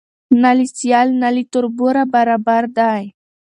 نه له سیال نه له تربوره برابر دی